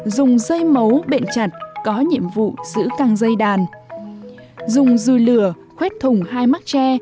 dùng dùi lửa khuét thủng hai mắt tre